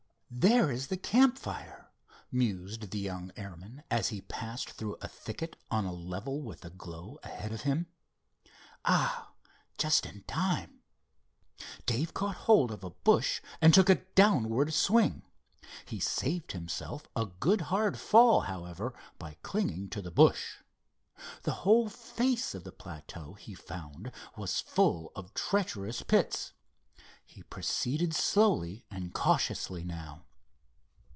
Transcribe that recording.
"There is the campfire," mused the young airman, as he passed through a thicket on a level with the glow ahead of him. "Ah, just in time." Dave caught hold of a bush and took a downward swing. He saved himself a good hard fall, however, by clinging to the bush. The whole face of the plateau he found was full of treacherous pits. He proceeded slowly and cautiously now.